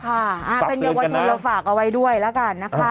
เป็นอย่างวัตถึงเราฝากเอาไว้ด้วยละกัน